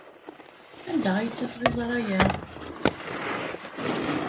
Anda ay ttafeɣ iẓra-a?